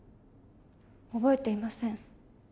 覚えていません。